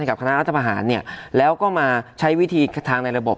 กับคณะรัฐประหารเนี่ยแล้วก็มาใช้วิธีทางในระบบ